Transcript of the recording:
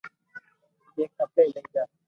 جي کپي لئي جا